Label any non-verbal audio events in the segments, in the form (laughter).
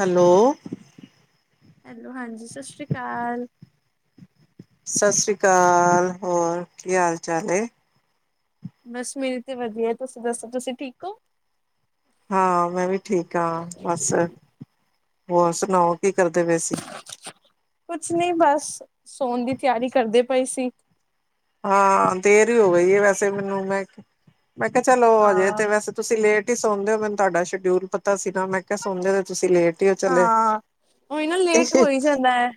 Hello. Hello, ਹਾਂਜੀ ਸਤਿ ਸ਼੍ਰੀ ਅਕਾਲ। ਸਤਿ ਸ੍ਰੀ ਅਕਾਲ, ਹੋਰ ਕੀ ਹਾਲ ਚਾਲ ਏ? ਬਸ, ਮੇਰੀ ਤੇ ਵਧੀਆ ਤੁਸੀਂ ਦੱਸੋ, ਤੁਸੀਂ ਠੀਕ ਹੋ? ਹਾਂ, ਮੈਂ ਵੀ ਠੀਕ ਹਾਂ ਬਸ। ਹੋਰ ਸੁਣਾਓ ਕੀ ਕਰਦੇ ਪਏਸੀ? ਕੁਛ ਨਹੀਂ ਬਸ, ਸੋਣ ਦੀ ਤਿਆਰੀ ਕਰਦੇ ਪਏ ਸੀ। ਹਾਂ, ਦੇਰ ਹੀ ਹੋ ਗਈ ਹੈ ਵੈਸੇ ਮੈਨੂੰ। ਮੈਂ, ਮੈਂ ਕਿਹਾ ਚਲੋ ਹਜੇ ਹਾਂ ਤੇ ਵੈਸੇ ਤੁਸੀਂ ਲੇਟ ਹੀ ਸੌਣਦੇ ਹੋ। ਮੈਨੂੰ ਤੁਹਾਡਾ ਸ਼ਡਿਊਲ ਪਤਾ ਸੀ ਨਾ, ਮੈਂ ਕਿਹਾ ਸਣਦੇ ਹੋ ਤੁਸੀਂ ਲੇਟ। ਹੀ ਹੋ ਚਲੇ ਹਾਂ, ਉਹੀ ਨਾ ਲੇਟ ਹੋ ਹੀ ਜਾਂਦਾ ਹੈ,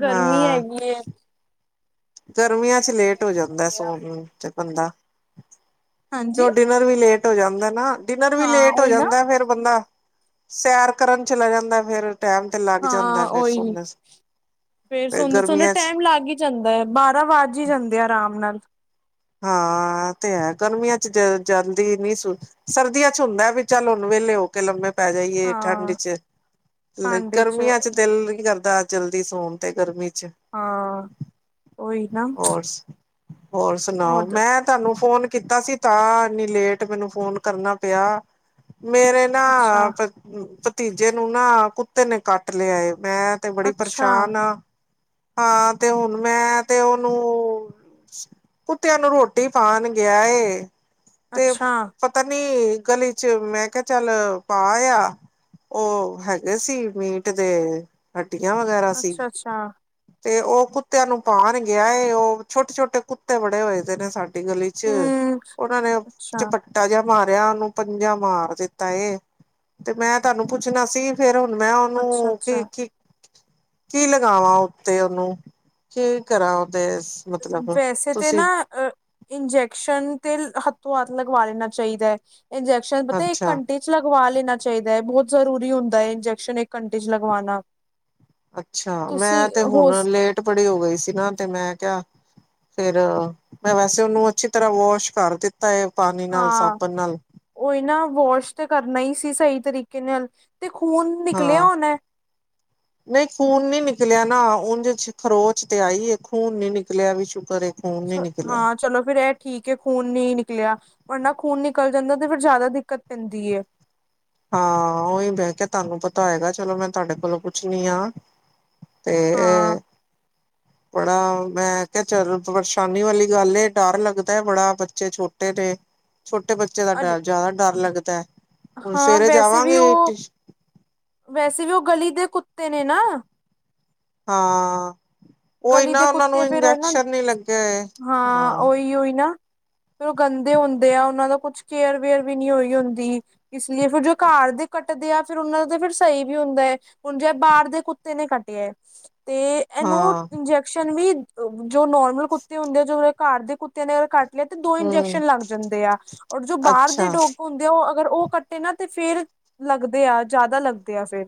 ਗਰਮੀ ਹੈਗੀ ਐ। ਗਰਮੀਆਂ'ਚ ਲੇਟ ਹੋ ਜਾਂਦਾ ਸੋਣ ਨੂੰਚ ਬੰਦਾ। ਹਾਂਜੀ ਤੁਹਾਡੇ ਨਾਲ ਵੀ ਲੇਟ ਹੋ ਜਾਂਦਾ ਨਾ, ਡਿਨਰ ਵੀ ਹਾਂ ਲੇਟ ਹੋ ਉਹੀ ਨਾ ਜਾਂਦਾ ਫੇਰ ਬੰਦਾ- ਸੈਰ ਕਰਨ ਚਲਾ ਜਾਂਦਾ, ਫੇਰ ਟੈਮ- ਤੇ ਲੱਗ ਜਾਂਦਾ ਹਾਂ, ਫੇਰ ਓਹੀ ਨ ਸੋਣ ਫੇਰ ਸੋਂਦੇ-ਸੋਂਦੇ ਗਰਮੀਆਂ ਚ ਟਾਈਮ ਲੱਗ ਈ- ਜਾਂਦਾ ਹੈ। ਬਾਰਾਂ ਵੱਜ ਹੀ ਜਾਂਦੇ ਆ ਆਰਾਮ ਨਾਲ। ਹਾਂ, ਤੇ ਹੈ ਗਰਮੀਆਂ'ਚ ਜ ਜਲਦੀ ਨੀ ਸੁ ਸਰਦੀਆਂ ਚ ਹੁੰਦਾ ਵੀ ਚੱਲ ਹੁਣ ਵੇਲੇ ਹੋ- ਕੇ ਲੰਮੇ ਪੈ ਜਾਈਏ ਹਾਂ ਠੰਡ'ਚ, ਠੰਡ ਚ ਗਰਮੀਆਂ'ਚ ਦਿਲ ਨ ਕਰਦਾ ਜਲਦੀ ਸੋਣ ਤੇ ਗਰਮੀ'ਚ। ਹਾਂ, ਉਹੀ ਨਾ। ਹੋਰ ਹੋਰ ਸੁਣਾਓ? ਹੋਰ ਮੈਂ ਤੁਹਾਨੂੰ ਫੋਨ ਕੀਤਾ ਸੀ ਤਾਂ, ਇੰਨੀ ਲੇਟ ਮੈਨੂੰ ਫੋਨ ਕਰਨਾ ਪਿਆ। ਮੇਰੇ ਅੱਛਾ ਨਾ ਭਤੀਜੇ ਨੂੰ ਨਾ ਕੁੱਤੇ ਨੇ ਕੱਟ ਲਿਆਏ। ਮੈਂ ਤੇ ਬੜੀ ਅੱਛਾ ਪਰੇਸ਼ਾਨ ਆ, ਹਾਂ ਤੇ ਹੁਣ ਮੈਂ ਤੇ ਉਹਨੂੰ ਕੁੱਤਿਆਂ ਨੂੰ ਰੋਟੀ ਪਾਣ ਗਿਆ ਏ ਤੇ ਅੱਛਾ ਆਪਨੀ ਗਲੀ'ਚ, ਮੈਂ ਕਿਹਾ ਚੱਲ ਪਾਯਾ। ਉ ਹੈਗੇ ਸੀ ਮੀਟ ਦੇ ਹੱਡੀਆਂ ਵਗੈਰਾ ਸੀ। ਅੱਛਾ ਅੱਛਾ ਤੇ, ਉ ਕੁੱਤਿਆਂ ਨੂੰ ਪਾਣ ਗਿਆ ਏ। ਉਹ ਛੋਟੇ-ਛੋਟੇ ਕੁੱਤੇ ਬੜੇ ਹੋਏ ਦੇ ਨੇ ਸਾਡੀ ਗਲੀ 'ਚ ਹਮ ਉਹਨਾਂ ਨੇ ਅੱਛਾ, ਚਪਟਾ ਡੰਡਾ ਜਿਹਾ ਮਾਰਿਆ ਓ ਨੂੰ, ਪੰਜਾ ਮਾਰ ਦਿੱਤਾ ਏ, ਤੇ ਮੈਂ ਤਾਨੂੰ ਪੁੱਛਣਾ ਸੀ ਫੇਰ ਹੁਣ ਮੈਂ ਅੱਛਾ, ਓਨੂੰ ਕੀ- ਅੱਛਾ ਕੀ ਕੀ ਲਗਾਵਾਂ ਉੱਤੇ ਓਨੂੰ ਕੀ ਕਰਾ ਓਦੇ ਵੈਸੇ ਤੇ ਨਾ ਅ ਇੰਜੈਕਸ਼ਨ ਤੇ ਹੱਥੋਂ-ਹੱਥ ਲਗਵਾ ਲੈਣਾ ਚਾਈਦਾ, ਇੰਜੈਕਸ਼ਨ ਪਤਾ ਇੱਕ ਅੱਛਾ ਘੰਟੇ ਚ, ਲਗਵਾ ਲੈਣਾ ਚਾਈਦਾ ਏ, ਬੋਤ ਜ਼ਰੂਰੀ ਹੁੰਦਾ ਏ ਇੰਜੈਕਸ਼ਨ, ਇੱਕ ਘੰਟੇ'ਚ ਲਗਵਾਣਾ। ਅੱਛਾ, ਮੈਂ ਤੇ ਹੋ ਹੁਣ ਲੇਟ ਬੜੀ ਹੋ ਗਈ ਸੀ ਨਾ, ਤੇ ਮੈਂ ਕਿਹਾ ਫੇਰ, ਮੈਂ ਵੈਸੇ ਓਨੂੰ ਅੱਛੀ ਤਰ੍ਹਾਂ ਵਾਸ਼ ਕਰ ਦਿੱਤਾ ਏ, ਪਾਣੀ ਨਾਲ, ਸਾਬਣ ਨਾਲ। ਓ, ਈ, ਨਾ ਵਾਸ਼ ਤੇ ਕਰਨਾ ਈ, ਸੀ, ਸਹੀ ਤਰੀਕੇ ਨਾਲ, ਤੇ ਖੂਨ ਨਿਕਲਿਆ ਹੋਣਾ? ਨਈ ਖੂਨ ਨੀ ਨਿਕਲਿਆ ਨਾ, ਉਂਝ ਖਰੋਚ ਤੇ ਆਈ ਏ ਖੂਨ ਨੀ ਨਿਕਲਿਆ ਵੀ ਸ਼ੁਕਰ ਏ। ਖੂਨ ਨੀ ਨਿਕਲਿਆ ਹਾਂ। ਚਲੋ ਫੇਿਰ ਏ ਠੀਕ ਏ, ਖੂਨ ਨਈ ਨਿਕਲਿਆ ਵੜਨਾ ਖੂਨ ਨਿਕਲ ਜਾਂਦਾ ਤੇ ਫਿਰ ਜ਼ਾਦਾ ਦਿੱਕਤ ਪੈਂਦੀ ਏ। ਹਾਂ ਓਹੀ ਤੇ ਹੈ, ਕੇ ਤਾਨੂੰ ਪਤਾ ਹੈਏਗਾ ਚਲੋ ਮੈਂ ਤਾਡੇ ਕੋਲੋਂ ਪੁੱਛਣੀ ਆ। ਤੇ ਹਾਂ। ਏ। ਬੜਾ ਮੈਂ ਕੇਹਾ ਚੱਲ ਪਰੇਸ਼ਾਨੀ ਵਾਲੀ ਗੱਲ ਡਰ ਲੱਗਦਾ ਬੜਾ ਬੱਚੇ ਛੋਟੇ ਨੇ। ਛੋਟੇ ਬੱਚੇ ਦਾ ਅ ਡ ਜ਼ਿਆਦਾ ਡਰ ਲੱਗਦਾ, ਹੁਣ ਹਾਂ ਸਵੇਰੇ ਵੈਸੇ ਵੀ ਜਾਵਾਂਗੇ ਉਹ ਵੈਸੇ ਵੀ ਓ ਗਲੀ ਦੇ ਕੁੱਤੇ ਨੇ, ਨਾ। ਹਾਂ ਓਈ, ਗਲੀ ਦੇ ਨਾ ਓਨਾਂ ਨੂੰ ਕੁੱਤੇ ਫੇਰ ਉਹ ਇੰਜੈਕਸ਼ਨ ਨੀ ਲੱਗੇ ਹੋਏ, ਹਾਂ ਕੀ, ਓ, ਈ, ਨਾ? ਕਿ ਓ ਗੰਦੇ ਹੁੰਦੇ ਆ, ਓਨਾਂ ਦਾ ਕੁਛ ਕੇਅਰ- ਵੇਅਰ ਵੀ ਨਈ ਹੋਈ ਹੁੰਦੀ। ਇਸ ਲਈ ਫਿਰ ਜੋ ਘਾਰ ਦੇ ਕੱਟਦੇ ਆ, ਫਿਰ ਉਨਾਂ ਦਾ ਫਿਰ ਸਹੀ ਵੀ ਹੁੰਦਾ ਏ। ਹੁਣ ਜੇ ਬਾਰ ਦੇ ਕੁੱਤੇ ਨੇ ਕੱਟਿਆ ਏ ਤੇ ਏਨੂੰ ਹਾਂ ਇੰਜੈਕਸ਼ਨ ਵੀ ਜੋ ਨੋਰਮਲ ਕੁੱਤੇ ਹੁੰਦੇ ਆ, ਜੋ ਘਰ ਦੇ ਕੁੱਤੇ ਨੇ ਅਗਰ ਘੱਟ ਤੇ ਦੋ ਹੂੰ ਇੰਜੈਕਸ਼ਨ ਲੱਗ ਜਾਂਦੇ ਆ, ਔਰ ਜੋ ਬਾਹਰ ਦੇ ਅੱਛਾ ਡੋਗ ਹੁੰ ਤੇ ਉਹ ਅਗਰ ਉਹ ਕੱਟੇ ਨਾ ਤੇ ਫੇਰ ਲੱਗਦੇ ਆ, ਜ਼ਾਦਾ ਲੱਗਦੇ ਆ ਫੇਰ।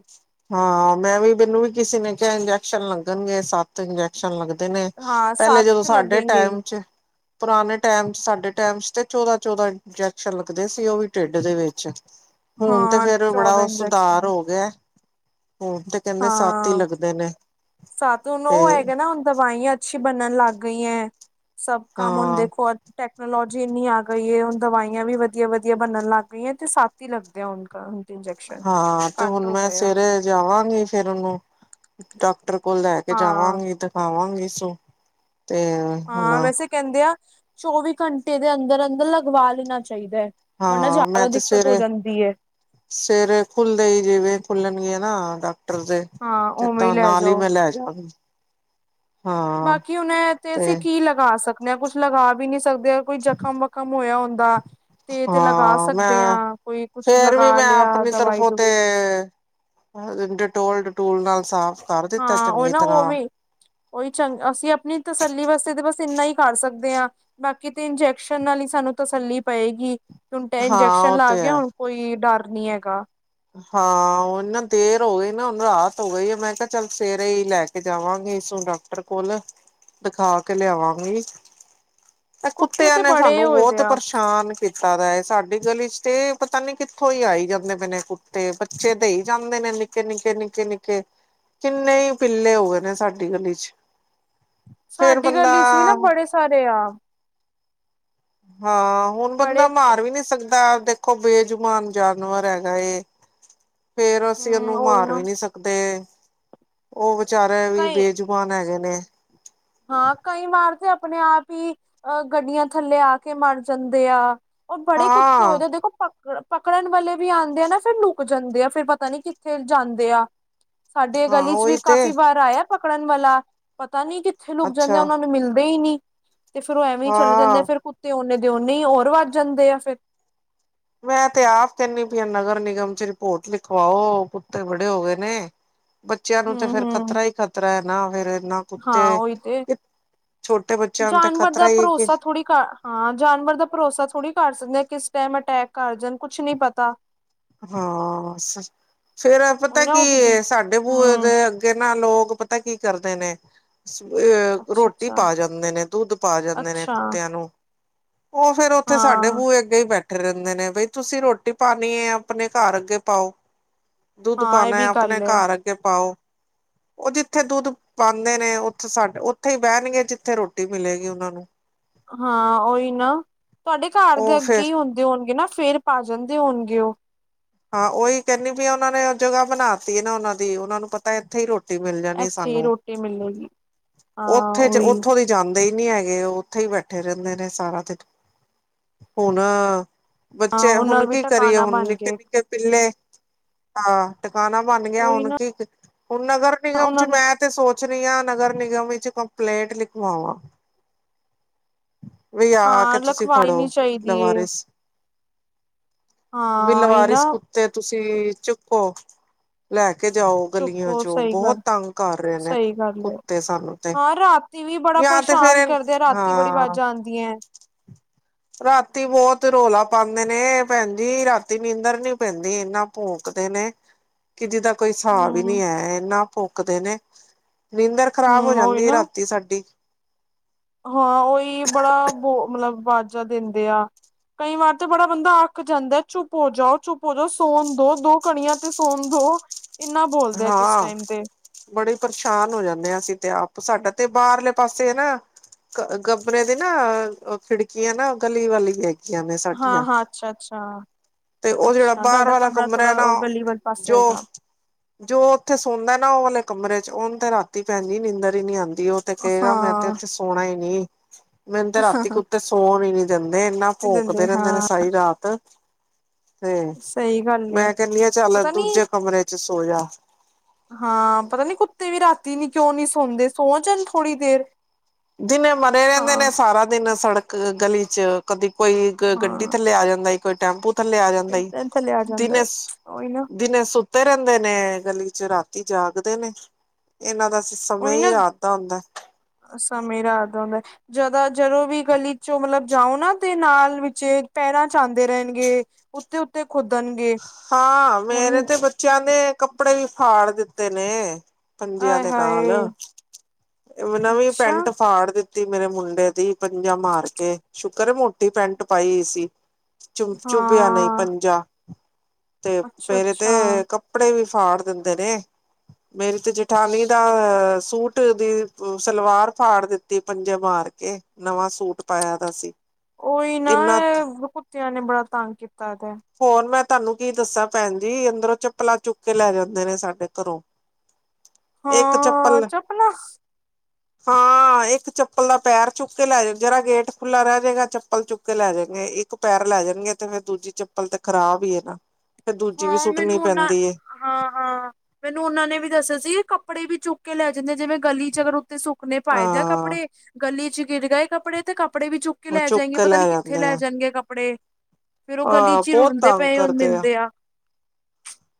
ਹਾਂ ਮੈਂ ਵੀ ਮੈਨੂੰ ਵੀ ਕਿਸੇ ਨੇ ਕੇਆ, ਇੰਜੈਕਸ਼ਨ ਲੱਗਣਗੇ ਸੱਤ। ਹੁਣ ਤੇ ਇੰਜੈਕਸ਼ਨ ਲੱਗਦੇ ਨੇ, ਹਾਂ ਪੇਲੇ ਸੱਤ ਜਦੋਂ ਤੇ ਸਾਡੇ ਲੱਗੇਗੇ ਹੀ ਟਾਈਮ ਚ ਪੁਰਾਣੇ ਟੈਮ ਚ ਸਾਡੇ ਟਾਈਮ ਚ ਤੇ ਚੌਦਾਂ- ਚੌਦਾਂ ਇੰਜੈਕਸ਼ਨ ਲੱਗਦੇ ਸੀ ਉਹ ਵੀ ਢੇਡ ਦੇ ਵਿੱਚ। ਹੁਣ ਤੇ ਹਾਂ ਫੇਰ ਬੜਾ ਚੌਦਾਂ ਉਹ ਸੁਧਾਰ ਇੰਜੈਕਸ਼ਨ ਹੋ ਗੇਆ ਹੁਣ ਤੇ। ਕਹਿੰਦੇ ਸੱਤ ਹੀ ਹਾਂ ਲੱਗਦੇ ਨੇ ਸਾਨੂੰ ਹੁਣ ਤੇ ਓ ਹੈਗਾ ਨਾ, ਹੁਣ ਦਵਾਈਆਂ। ਅੱਛੀ ਬਣਨ ਲੱਗ ਗਈਆ, ਸਭ ਕੰਮ ਹੁਣ ਹਾਂ ਦੇਖੋ ਅੱਜੈ ਟੈਕਨੋਲੋਜੀ ਇੰਨੀ ਆ ਗਈ ਏ, ਹੁਣ ਦਵਾਈਆਂ ਵੀ ਵੱਧੀਆ ਵੱਧੀਆ ਬਣਨ ਲੱਗ ਗਈਆਂ, ਇਥੇ ਸੱਤ ਈ ਲੱਗਦੇ ਹੁਣ ਤਾ ਹਾਂ ਤੇ ਹੁਣ ਮੈਂ ਸਵੇਰੇ ਜਾਵਾਂਗੀ ਫੇਰ ਉਹਨੂੰ ਡਾਕ ਡਾਕਟਰ ਕੋਲ ਲੈ ਕੇ ਹਾਂ ਜਾਵਾਂਗੀ, ਦਿਖਾਵਾਂਗੀ ਸੋ ਤੇ ਹੁਣ ਹਾਂ ਵੈਸੇ ਕੇਂਦੇ ਆ ਚੌਵੀ ਘੰਟੇ ਦੇ ਅੰਦਰ -ਅੰਦਰ ਲਗਵਾ ਲੈਣਾ ਚਾਈਦਾ ਐ। ਵਰਨਾ ਹਾਂ ਮੈਂ ਜ਼ਾਦਾ ਤੇ ਦਿੱਕਤ ਹੋ ਜਾਂਦੀ ਏ। ਸਵੇਰੇ ਖੁੱਲਦੇ ਈ ਜਿਵੇਂ ਖੁੱਲਣਗੇ ਆਂ ਨਾ ਡਾਕਟਰ ਦੇ ਹਾਂ ਤੇ ਉਵੇਂ ਹੀ ਤਾਂ ਲੈ ਨਾਲ ਈ ਜਾਓ। ਮੈਂ ਲੈ ਜਾਾਂਗੀ। ਬਾਕੀ ਹੁਨ ਏ ਤੇ ਅਸੀਂ ਕੀ ਲਗਾ ਸਕਦੇ ਆ, ਕੁਛ ਲਗਾ ਵੀ ਨਈ ਸਕਦੇ। ਕੋਈ ਜਖ਼ਮ- ਵਖਮ ਹੋਇਆ ਹੁੰਦਾ ਫੇਰ ਤੇ ਲਗਾ ਹਾਂ ਸਕਦੇ ਆ, ਕੋਈ ਕੁਛ ਲਗਾ ਲਿਆ। ਸਿਰਫ ਦਵਾਈ ਓ ਤੇ ਦੁਵੀ ਡਿਟੋਲ- ਡਟੂਲ ਨਾਲ ਸਾਫ਼ ਕਰ ਦਿੱਤਾ ਹਾਂ ਓ ਚੰਗੀ ਨਾ ਤਰ੍ਹਾਂ ਉਵੇਂ ਉਹੀ ਚੰ ਅਸੀਂ ਆਪਣੀ ਤਸੱਲੀ ਵਾਸਤੇ ਤਾਂ ਬਸ ਇੰਨਾ ਈ ਕਰ ਸਕਦੇ ਆ। ਬਾਕੀ ਤੇ ਇੰਜੈਕਸ਼ਨ ਨਾਲ ਈ ਸਾਨੂੰ ਤਸੱਲੀ ਪਏਗੀ, ਟੁਨਟਾ ਹਾਂ ਇੰਜੈਕਸ਼ਨ ਉਹ ਲਾ ਤੇ ਗੇਆ ਹੈ ਹੁਣ ਕੋਈ ਡਰ ਨਹੀਂ ਹੈਗਾ। ਹਾਂ ਉਹ ਨਾ ਦੇਰ ਹੋ ਗਈ ਨਾ ਰਾਤ ਹੋ ਗਈ ਆ ਮੈਂ ਕਿਹਾ ਚੱਲ ਸਵੇਰੇ ਹੀ ਲੈ ਕੇ ਜਾਵਾਂਗੇ ਸੋਡਾ ਡਟਰ ਕੋਲ ਦਿਖਾ ਕੇ ਲਿਆਵਾਂ ਕੋਈ। ਇਹ ਕੁੱਤੇ ਕੁੱਤਿਆਂ ਤੇ ਨੇ ਬੜੇ ਸਾਨੂੰ ਹੋਏ ਬਹੁਤ ਦੇ ਪਰ ਆ ਪਰਸ਼ਾਨ ਕੀਤਾ ਦਾ ਹੈ ਸਾਡੀ ਗਲੀ ਚ ਤੇ ਪਤਾ ਨੀ ਕਿੱਥੋਂ ਹੀ ਆਈ ਜਾਂਦੇ ਪਏ ਨੇ ਤੇ ਬੱਚੇ ਦੇਈ ਜਾਂਦੇ ਨੇ ਨਿੱਕੇ-ਨਿੱਕੇ-ਨਿੱਕੇ-ਨਿੱਕੇ। ਕਿੰਨੇ ਹੀ ਪਿੱਲੇ ਹੋ ਗਏ ਨੇ ਸਾਡੀ ਗਲੀ ਚ। ਫੇਰ ਸਾਡੀ ਬੰਦਾ ਗਲੀ ਚ ਵੀ ਨਾ ਬੜੇ ਸਾਰੇ ਆ। ਹਾਂ ਹੁਣ ਬੰਦਾ ਬੜੇ ਮਾਰ ਵੀ ਨਹੀਂ ਸਕਦਾ ਦੇਖੋ ਬੇਜੁਮਾਨ ਜਾਨਵਰ ਹੈਗਾ ਏ। ਫਿਰ ਅਸੀਂ ਹਮ ਉਹਨੂੰ ਉਹ ਮਾਰ ਵੀ ਨਾ ਨਹੀਂ ਸਕਦੇ ਉਹ ਵਿਚਾਰੇ ਕਈ ਵੀੇ ਜੁਬਾਨ ਹੈਗੇ ਨੇ। ਹਾਂ ਕਈ ਮਾਰ ਦੇ ਆਪਣੇ ਆਪ ਹੀ ਗੱਡੀਆਂ ਥੱਲੇ ਆ ਕੇ ਮਰ ਜਾਂਦੇ ਆ। ਉਹ ਬੜੇ ਕੁੱਤੇ ਹੋਏ ਹਾਂ ਦੇ ਦੇਖੋ ਪ ਪਕੜਨ ਵਾਲੇ ਵੀ ਆਉਂਦੇ ਆ ਨਾ ਫਿਰ ਲੁੱਕ ਜਾਂਦੇ ਆ ਫਿਰ ਪਤਾ ਨੀ ਕਿੱਥੇ ਜਾਂਦੇ ਆ। ਸਾਡੇ ਹਾਂ ਗਲੀ ਚ ਵੀ ਉਹੀ ਤੇ ਕਾਫ਼ੀ ਵਾਰ ਆਇਆ ਪਕੜਨ ਵਾਲਾ ਪਤਾ ਨੀ ਕਿ ਜਿੱਥੇ ਲੋਕ ਜਾਂਦੇ ਆ ਅੱਛਾ ਉਹਨਾ ਨੂੰ ਮਿਲਦੇ ਹੀ ਨੀ ਤੇ ਫਿਰ ਉਹ ਐਵੇਂ ਹੀ ਚਲੇ ਜਾਂਦੇ ਆ ਹਾਂ ਫਿਰ ਤੇ ਉਨੇ ਦੇ ਉਨੇ ਹੀ ਹੋਰ ਵੱਜ ਜਾਂਦੇ ਆ ਫਿਰ ਮੈਂ ਤੇ ਆਪ ਕਹਿੰਦੀ ਪਈ ਆ ਨਗਰ ਨਿਗਮ ਚ ਰਿਪੋਰਟ ਲਿਖਵਾਓ ਕੁੱਤੇ ਬੜੇ ਹੋ ਗਏ ਨੇ। ਬੱਚਿਆਂ ਨੂੰ ਤੇ ਫਿਰ ਹੂੰ-ਹੂੰ ਖ਼ਤਰਾ ਹੀ ਖ਼ਤਰਾ ਹੈ ਨਾ ਫਿਰ ਇਨਾ ਹਾਂ ਕੁੱਤੇ ਉਹੀ ਤੇ ਛੋਟੇ ਬੱਚਿਆਂ ਨੂੰ ਤੇ ਜਾਨਵਰ ਖ਼ਤਰਾ ਦਾ ਹੀ ਹੈ ਕਿ ਭਰੋਸਾ ਥੋੜ੍ਹੀ ਹਾਂ ਜਾਨਵਰ ਦਾ ਭਰੋਸਾ ਥੋੜੀ ਕਰ ਸਕਦੇ ਹਾਂ ਕਿਸ ਟਾਈਮ ਅਟੈਕ ਕਰ ਜਾਣ ਕੁਛ ਨੀ ਪਤਾ। ਹਾਂ ਫਿਰ ਇਹ ਪਤਾ ਉਹੀ ਨਾ ਕੀ ਉਹ ਤੇ ਸਾਡੇ ਬੂਏ ਹੂੰ ਦੇ ਅ ਤੇ ਲੋਕ ਪਤਾ ਕੀ ਕਰਦੇ ਨੇ ਅੱਛਾ ਰੋਟੀ ਅੱਛਾ ਪਾ ਜਾਂਦੇ ਨੇ ਦੁੱਧ ਪਾ ਜਾਂਦੇ ਨੇ ਅੱਛਾ ਕੁੱਤਿਆਂ ਨੂੰ ਉਹ ਫਿਰ ਉੱਥੇ ਸਾਡੇ ਹਾਂ ਬੂਹੇ ਅੱਗੇ ਹੀ ਬੈਠੇ ਰਹਿੰਦੇ ਨੇ ਬਈ ਤੁਸੀਂ ਰੋਟੀ ਪਾਣੀ ਐ ਆਪਣੇ ਘਰ ਅੱਗੇ ਪਾਓ ਦੁੱਧ ਹਾਂ ਇਹ ਪਾਉਣਾ ਹੈ ਵੀ ਆਪਣੇ ਗੱਲ ਘਰ ਅੱਗੇ ਪਾਓ। ਉਹ ਜਿੱਥੇ ਦੁੱਧ ਪਾਉਦੇ ਨੇ ਉੱਥੇ ਸਾਡੇ ਉੱਥੇ ਹੀ ਬਹਿਣਗੇ ਜਿੱਥੇ ਰੋਟੀ ਮਿਲੇਗੀ ਉਹਨਾਂ ਨੂੰ। ਹਾਂ ਉਹੀ ਨਾ ਤੁਹਾਡੇ ਘਰ ਦੇ ਉਹ ਅੱਗੇ ਫੇਰ ਹੀ ਹੁੰਦੇ ਹੋਣਗੇ ਨਾ ਫਿਰ ਪਾ ਜਾਂਦੇ ਹੋਣਗੇ ਉਹ। ਹਾਂ ਉਹੀ ਕਹਿੰਦੀ ਪਈ ਹਾਂ ਉਹਨਾਂ ਨੇ ਜਗ੍ਹਾ ਬਣਾ ਤੀ ਨਾ ਉਹਨਾਂ ਦੀ ਉਹਨਾਂ ਨੂੰ ਪਤਾ ਇੱਥੇ ਹੀ ਰੋਟੀ ਰੋਟੀ ਮਿਲ ਜਾਣੀ ਇੱਥੇ ਹੀ ਸਾਨੂੰ ਰੋਟੀ ਮਿਲੇਗੀ ਹਾਂ ਉੱਥੇ ਚ ਉਹੀ ਉੱਥੋਂ ਦੀ ਜਾਂਦੇ ਹੀ ਨਹੀਂ ਹੈਗੇ ਉਹ ਉੱਥੇ ਹੀ ਬੈਠੇ ਰਹਿੰਦੇ ਨੇ ਸਾਰਾ ਦਿਨ। ਹੁਣ ਹਾਂ ਬੱਚੇ ਉਹਨਾਂ ਹੁਣ ਵੀ ਕੀ ਕਰੀਏ ਟਿਕਾਣਾ ਹੁਣ ਬਣ ਨਿੱਕੇ ਗਏ ਨਿੱਕੇ ਕੇ ਪਿੱਲੇ ਹਾਂ ਟਿਕਾਣਾ ਬਣ ਗਿਆ ਉਹੀ ਹੁਣ ਨਾ ਕੀ ਹੁਣ ਅਗਰ ਨਗਰ ਨਿਗਮ ਚ ਉਹਨਾਂ ਨੂੰ ਮੈਂ ਤੇ ਸੋਚ ਰਹੀ ਹਾਂ ਨਗਰ ਨਿਗਮ ਵਿੱਚ ਕੰਪਲੇਂਟ ਲਿਖਵਾਵਾਂ। ਵੀ ਆ ਆ ਕੇ ਹਾਂ ਤੁਸੀਂ ਲਖਵਾਈ ਫੜੋ ਨੀ ਚਾਹੀਦੀ ਏ ਲਵਾਰਿਸ। ਵੀ ਹਾਂ ਇਹ ਨਾ ਲਵਾਰੀਸ ਕੁੱਤੇ ਤੁਸੀਂ ਚੁੱਕੋ। ਲੈ ਕੇ ਜਾਓ ਗਲੀਆਂ ਚੁੱਕੋ ਚੋਂ ਸਹੀ ਬਹੁਤ ਗੱਲ ਤੰਗ ਕਰ ਰਹੇ ਨੇ ਕੁੱਤੇ ਸਾਨੂੰ ਤੇ। ਟੀਵੀ ਬੜਾ ਜਾਂ ਤੇ ਫੇਰ ਪਰੇਸ਼ਾਨ ਕਰਦੇ ਆ ਰਾਤੀ ਬੜੀ ਹਾਂ ਅਵਾਜ਼ਾਂ ਆਂਦੀਆਂ। ਰਾਤੀ ਬਹੁਤ ਰੌਲਾ ਪਾਉਂਦੇ ਨੇ ਭੈਣ ਜੀ ਰਾਤੀ ਨੀਂਦਰ ਨੀ ਪੈਂਦੀ ਇਨਾ ਭੋਂਕਦੇ ਨੇ ਕਿ ਜਿੱਦਾ ਕੋਈ ਹਿਸਾਬ ਹੀ ਨਹੀਂ ਹਮ ਹੈ ਇਹਨਾ ਭੋਂਕਦੇ ਨੇ ਨੀਂਦਰ ਖ਼ਰਾਬ ਹੋ ਹਮ ਉਹੀ ਜਾਂਦੀ ਹੈ ਨਾ ਰਾਤੀ ਸਾਡੀ। ਹਾਂ ਉਹੀ ਬੜਾ ਵੋ ਮਤਲਬ ਆਵਾਜ਼ਾਂ ਦਿੰਦੇ ਆ। ਕਈ ਵਾਰ ਤੇ ਬੜਾ ਬੰਦਾ ਅੱਕ ਜਾਂਦਾ ਚੁੱਪ ਹੋ ਜਾਓ ਚੁੱਪ ਹੋ ਜਾਓ ਸੋਣ ਦੋ ਦੋ ਕਣੀਆਂ ਤੇ ਸੋਣ ਦੋ ਇੰਨਾ ਬੋਲਦੇ ਆ ਕਿਸ ਟਾਈਮ ਤੇ। ਬੜੇ ਪਰੇਸ਼ਾਨ ਹੋ ਜਾਂਦੇ ਹਾਂ ਅਸੀਂ ਤੇ ਆਪ, ਸਾਡਾ ਤੇ ਬਾਹਰਲੇ ਪਾਸੇ ਹੈ ਨਾ (unintelligible) ਦੀ ਨਾ ਖਿੜਕੀਆਂ ਨਾ (unintelligible) ਵਾਲੀ ਹੈ ਹਾਂ ਹਾਂ ਅੱਛਾ ਅੱਛਾ। ਤੇ ਉਹ ਜਿਹੜਾ ਅੱਛਾ ਬਾਹਰ ਤੁਹਾਡਾ ਵਾਲਾ ਕਮਰਾ ਐ ਥੋੜਾ ਨਾ ਉਹ ਗਲੀ ਵਾਲੇ ਪਾਸੇ ਜੋ ਹੋਏਗਾ ਜੋ ਉੱਥੇ ਸੌਂਦਾ ਨਾ ਉਹ ਵਾਲੇ ਕਮਰੇ ਚ, ਉਹਨੂੰ ਤੇ ਰਾਤੀ ਭੈਣ ਜੀ ਨਿੰਦਰ ਹੀ ਨਹੀਂ ਆਉਂਦੀ ਕਹੇਗਾ ਮੈਂ ਤੇ ਹਾਂ। ਉੱਥੇ ਸੋਣਾ ਹੀ ਨੀ, ਮੈਨੂੰ ਤੇ ਰਾਤੀ ਕੁੱਤੇ ਸੋਣ ਹੀ ਨੀ ਗੰਦੇ ਇੰਨਾ ਦਿੰਦੇ ਭੋਕਦੇ ਹਾਂ ਰਹਿੰਦੇ ਨੇ ਸਾਰੀ ਰਾਤ ਤੇ ਸਹੀ ਗੱਲ ਏ ਮੈਂ ਕਹਿੰਨੀ ਆ ਚੱਲ ਪਤਾ ਨੀ ਦੂਜੇ ਕਮਰੇ ਚ ਸੋ ਜਾ। ਹਾਂ ਪਤਾ ਨੀ ਕੁੱਤੇ ਵੀ ਰਾਤੀ ਨੀ ਕਿਉਂ ਨੀ ਸੌੰਦੇ, ਸੋ ਜਾਣ ਥੋੜ੍ਹੀ ਦੇਰ। ਦਿਨੇ ਮਰੇ ਹਾਂ ਰਹਿੰਦੇ ਨੇ ਸਾਰਾ ਦਿਨ ਸੜਕ ਗਲੀ ਚ ਕਦੀ ਕੋਈ ਗੱਡੀ ਹਾਂ। ਥੱਲੇ ਆ ਜਾਂਦਾ ਈ, ਕੋਈ ਟੈਂਪੂ ਥੱਲੇ ਆ ਜਾਂਦਾ ਈ, ਥੱਲੇ ਆ ਜਾਂਦਾ ਦਿਨੇ ਉਹੀ ਨਾ ਦਿਨੇ ਸੁੱਤੇ ਰਹਿੰਦੇ ਨੇ ਗਲੀ ਚ, ਰਾਤੀ ਜਾਗਦੇ ਨੇ ਇਹਨਾਂ ਦਾ ਸਮੇਯ ਹੀ ਰਾਤ ਦਾ ਹੁੰਦਾ। ਸਮੇਯ ਰਾਤ ਦਾ ਹੁੰਦਾ, ਜਦਾ ਜਦੋਂ ਵੀ ਗਲੀ ਚੋਂ ਮਤਲਬ ਜਾਓ ਨਾ ਤੇ ਨਾਲ ਵਿੱਚੇ ਪੈਰਾਂ ਚ ਆੰਦੇ ਰਹਿਣਗੇ। ਉੱਤੇ ਉੱਤੇ ਕੁਦਣਗੇ। ਹਾਂ ਮੇਰੇ ਤੇ ਬੱਚਿਆਂ ਦੇ ਕੱਪੜੇ ਵੀ ਫਾੜ ਦਿੱਤੇ ਨੇ। ਪੰਜਿਆਂ ਆਏ ਦੇ ਹਾਏ ਨਾਲ, ਨਵੀ ਅੱਛਾ ਪੈਂਟ ਫਾੜ ਦਿੱਤੀ ਮੇਰੇ ਮੁੰਡੇ ਦੀ ਪੰਜਾ ਮਾਰ ਕੇ, ਸ਼ੁਕਰ ਹੈ ਮੋਟੀ ਪੈਂਟ ਪਾਈ ਈ ਸੀ। ਚ ਚੁਭਿਆ ਨਹੀਂ ਹਾਂ ਪੰਜਾ ਤੇ ਅੱਛਾ ਮੇਰੇ ਅੱਛਾ, ਤੇ ਕੱਪੜੇ ਵੀ ਫਾੜ ਦਿੰਦੇ ਨੇ, ਮੇਰੀ ਤੇ ਜੇਠਾਨੀ ਦਾ ਅ ਸੂਟ ਦੀ ਸਲਵਾਰ ਫਾੜ ਦਿੱਤਾ, ਦਿਤੀ ਪੰਜੇ ਮਾਰ ਕੇ, ਨਵਾਂ ਸੂਟ ਪਾਇਆ ਦਾ ਸੀ, ਉਹੀ ਨਾ, ਇੰਨਾ ਐ ਕੁੁੱਤਿਆਂ ਨੇ ਬੜਾ ਤੰਗ ਕੀਤਾ ਦਾ ਐ ਹੋਰ ਮੈਂ ਤੁਹਾਨੂੰ ਕੀ ਦੱਸਾਂ ਭੈਣ ਜੀ, ਅੰਦਰੋਂ ਚੱਪਲਾਂ ਚੁੱਕ ਕੇ ਲੈ ਜਾਂਦੇ ਨੇ ਸਾਡੇ ਘਰੋਂ, ਇੱਕ ਹਾਂ ਚੱਪਲ, ਚੁੱਪ ਨਾ ਹਾਂ ਇੱਕ ਚੱਪਲ ਦਾ ਪੈਰ ਚੁੱਕ ਕੇ ਲੈ ਜਾਓ, ਜਰਾ ਗੇਟ ਖੁੱਲਾ ਰਹਿ ਜਾਏਗਾ ਚੱਪਲ ਚੁੱਕ ਚੱਕ ਲੈ ਜਾਣਗੇ, ਇੱਕ ਪੈਰ ਲੈ ਜਾਣਗੇ ਤੇ ਫਿਰ ਦੂਜੀ ਚੱਪ ਚਪਲ ਤੇ ਖਰਾਬ ਹੀ ਹੈ ਨਾ, ਤੇ ਦੂਜੀ ਵੀ ਹਾਂ ਸੁੱਟਣੀ ਮੈਨੂੰ ਉਹਨਾਂ ਪੈਂਦੀ ਐ ਹਾਂ ਹਾਂ ਮੈਨੂੰ ਉਹਨਾਂ ਨੇ ਵੀ ਦੱਸਿਆ ਸੀ, ਕੀ ਕੱਪੜੇ ਵੀ ਚੁੱਕ ਕੇ ਲੈ ਜਾਂਦੇ ਜਿਵੇਂ ਗਲੀ ਚ ਅਗਰ ਤੇ ਸੁੱਕਨੇ ਪਾਏ ਦੇ ਹਾਂ ਕੱਪੜੇ, ਗਲੀ ਚ ਗਿਰ ਗਏ ਕੱਪੜੇ ਤੇ ਕੱਪੜੇ ਵੀ ਚੁੱਕ ਕੇ ਉਹ ਲੈ ਜਾਏਗੇ, ਕੇ ਪਤਾ ਨੀ ਕਿੱਥੇ ਜਾਂਦੇ ਲੈ ਆ ਜਾਣਗੇ ਕੱਪੜੇ, ਫੇਰ ਉਹ ਗਲੀ ਹਾਂ ਚ ਹੀ ਬਹੁਤ ਰੁਲਦੇ ਤੰਗ ਪਏ ਉਹ ਕਰਦੇ ਮਿਲਦੇ ਆ,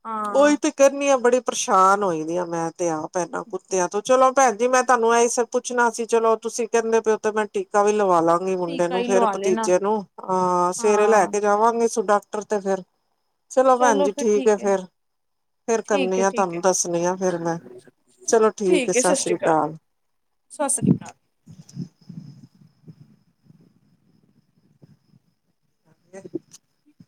ਹਾਂ ਉਹੀ ਤੇ ਕਰਨੀ ਆ ਬੜੀ ਪਰੇਸ਼ਾਨ ਹੋਈ ਦੀ ਆ, ਮੈਂ ਤੇ ਆਪ ਏਨਾ ਕੁੱਤਿਆਂ ਤੋਂ, ਚਲੋ ਭੈਣ ਜੀ ਮੈਂ ਤੁਹਾਨੂੰ ਇਹੀ ਸ ਪੁੱਛਣਾ ਸੀ, ਚਲੋ ਤੁਸੀਂ ਕਹਿੰਦੇ ਪੇਓ ਤੇ ਮੈਂ ਟੀਕਾ ਵੀ ਲਵਾ ਲਾਂਗਾ, ਮੁੰਡੇ ਟੀਕਾ ਨੂੰ, ਹੀ ਫੇਰ ਲਵਾ ਲੈਣਾ ਭਤੀਜੇ ਨੂੰ, ਅਹ ਸਵੇਰੇ ਲੈ ਹਾਂ ਕੇ ਜਾਵਾਂਗੇ ਸੁ ਡਾਕਟਰ ਤੇ ਫਿਰ ਚਲੋ ਭੈਣ ਜੀ ਠੀਕ ਹੈ ਫੇਰ, ਫੇਰ ਠੀਕ ਕਰਨੀ ਹੈ ਆ ਠੀਕ ਹੈ ਤੁਹਾਨੂੰ ਦੱਸਣੀ ਆ ਫੇਰ ਮੈਂ ਠੀਕ ਹੈ ਸਤਿ ਸ਼੍ਰੀ ਅਕਾਲ, ਸਤਿ ਸ਼੍ਰੀ ਅਕਾਲ, ਹਗੇ (unintelligible)